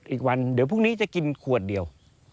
อีกวันเดี๋ยวพรุ่งนี้จะกินขวดเดียว